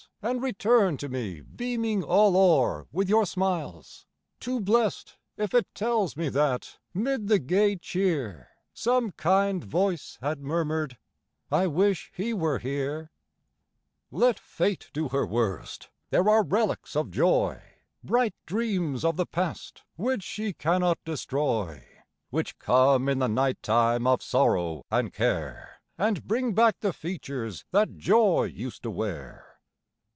And return to me beaming all o'er with your smiles — 1 5 Too blest, if it tells me that, 'mid the gay cheer, Some kind voice had murmur'd, " I wish he were here 1 " Let fate do her worst ; there are relics of joy, Bright dreams of the past, which she cannot destroy, Which come in the night time of sorrow and care, 2o And bring back the features that joy used to wear.